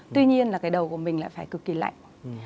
tuy nhiên là cái đầu của mình lại phải cực kỳ lạnh